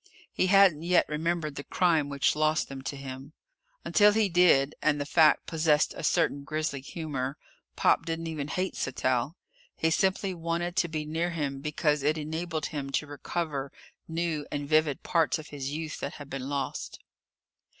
He hadn't yet remembered the crime which lost them to him. Until he did and the fact possessed a certain grisly humor Pop didn't even hate Sattell. He simply wanted to be near him because it enabled him to recover new and vivid parts of his youth that had been lost.